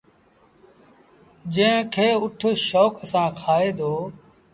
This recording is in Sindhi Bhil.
جݩهݩ کي اُٺ شوڪ سآݩ کآئي دو۔